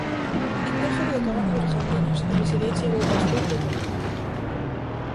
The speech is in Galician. Integro de Cabana de Bergantiños e residencia Bo Pastor de Coruña.